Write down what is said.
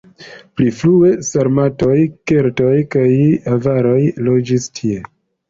Pli frue sarmatoj, keltoj kaj avaroj loĝis tie.